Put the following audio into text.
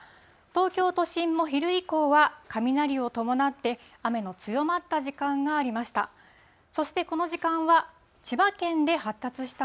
東京都心も昼以降は、雷を伴って雨の強まった時間がありました。